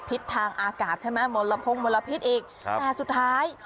ทางอากาศใช่ไหมมลพงมลพิษอีกครับแต่สุดท้าย